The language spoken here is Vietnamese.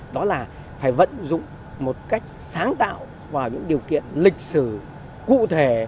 đó là phải vận dụng một cách sáng tạo vào những điều kiện lịch sử cụ thể